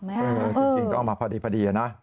จริงก็เอามาพอดีนะ